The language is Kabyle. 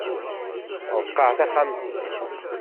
Ṛeqqeɛ taxxamt-im!